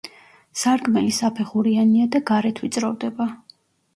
სარკმელი საფეხურიანია და გარეთ ვიწროვდება.